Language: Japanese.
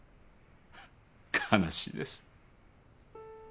悲しいです。